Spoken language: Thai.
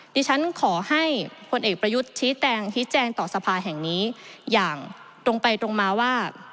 ดิฉันขอให้พลเอกประยุทธ์ชี้แจงชี้แจงต่อสภาแห่งนี้อย่างตรงไปตรงมาว่า